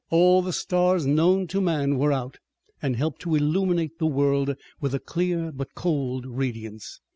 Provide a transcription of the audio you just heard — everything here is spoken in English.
All the stars known to man were out, and helped to illuminate the world with a clear but cold radiance.